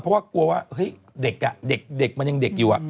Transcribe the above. เพราะว่ากลัวว่าเฮ้ยเด็กมันยังเด็กอยู่